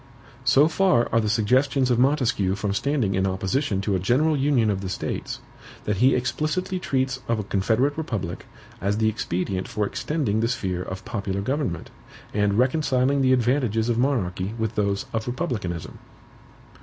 So far are the suggestions of Montesquieu from standing in opposition to a general Union of the States, that he explicitly treats of a confederate republic as the expedient for extending the sphere of popular government, and reconciling the advantages of monarchy with those of republicanism.